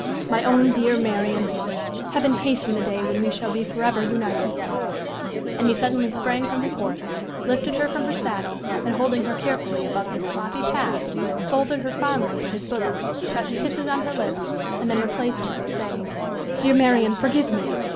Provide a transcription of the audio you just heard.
"My own dear Marian! Heaven hasten the day when we shall be forever united." And he suddenly sprang from his horse lifted her from her saddle, and holding her carefully above the sloppy path, folded her fondly to his bosom, pressed kisses on her lips, and then replaced her, saying: "Dear Marian, forgive me!